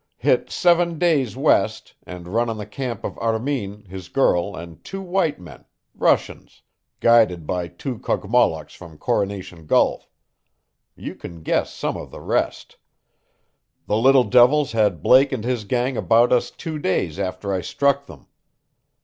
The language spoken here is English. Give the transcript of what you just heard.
Hit seven days' west, and run on the camp of Armin, his girl, and two white men Russians guided by two Kogmollocks from Coronation Gulf. You can guess some of the rest. The little devils had Blake and his gang about us two days after I struck them.